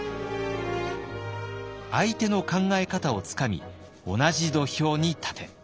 「相手の考え方をつかみ同じ土俵に立て」。